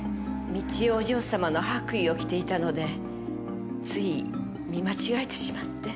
美千代お嬢様の白衣を着ていたのでつい見間違えてしまって。